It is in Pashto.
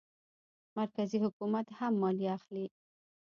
مرکزي حکومت هم مالیه اخلي.